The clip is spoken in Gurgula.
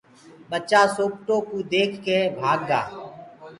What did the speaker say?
ڀچآ سوپٽوُ ديک ڪي ڀآگ گآ۔